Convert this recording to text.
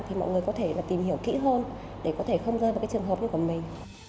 thì mọi người có thể tìm hiểu kỹ hơn để có thể không rơi vào trường hợp của mình